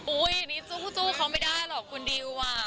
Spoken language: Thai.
อุ้ยนี้จู๊กเขาไม่ได้หรอกคุณดิวว่ะ